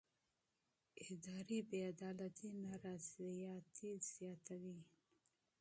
اداري بې عدالتي نارضایتي زیاتوي